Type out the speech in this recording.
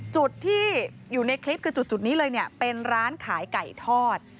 จุดที่อยู่ในคลิปคือจุดนี้เลยเนี่ยเป็นร้านขายไก่ทอด